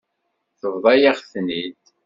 Tebḍa-yaɣ-ten-id.